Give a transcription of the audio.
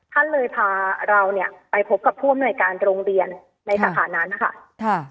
ท่านเลยพาเราเนี่ยไปพบกับผู้อำนวยการโรงเรียนในสถานนั้นนะคะ